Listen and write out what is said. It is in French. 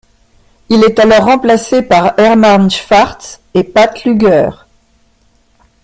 Il est alors remplacé par Hermann Schwartz et Pat Lüger.